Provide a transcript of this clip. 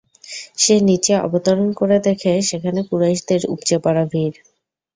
সে নীচে অবতরণ করে দেখে, সেখানে কুরাইশদের উপচে পড়া ভীড়।